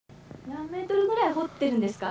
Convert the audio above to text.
何メートルぐらい掘ってるんですか？